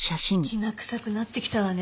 きなくさくなってきたわね。